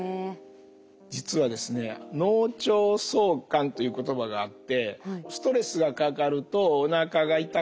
実はですねという言葉があってストレスがかかるとおなかが痛くなり